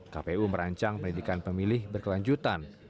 kpu merancang pendidikan pemilih berkelanjutan